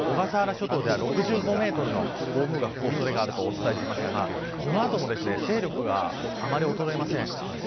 今、小笠原諸島では６５メートルの暴風が吹く恐れがあるとお伝えしましたがこの後も勢力はあまり衰えません。